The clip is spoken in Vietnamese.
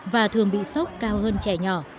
và thường bị sốc cao hơn trẻ nhỏ